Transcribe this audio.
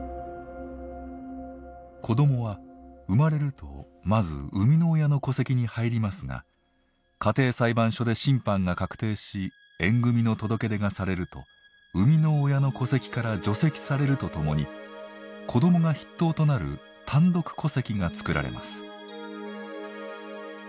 子どもは生まれるとまず生みの親の戸籍に入りますが家庭裁判所で審判が確定し縁組の届け出がされると生みの親の戸籍から除籍されるとともに子どもが筆頭となる単独戸籍が作られます。